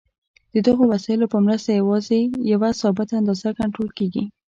د دغو وسایلو په مرسته یوازې یوه ثابته اندازه کنټرول کېږي.